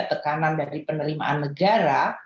tekanan dari penerimaan negara